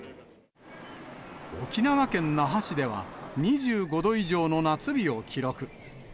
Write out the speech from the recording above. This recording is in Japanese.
沖縄県那覇市では、２５度以上の夏日を記録。